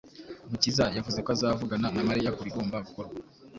Mukiza yavuze ko azavugana na Mariya ku bigomba gukorwa.